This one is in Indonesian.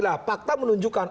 orang yang pernah menunjukkan